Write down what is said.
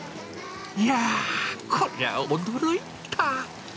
いやー、こりゃ驚いた。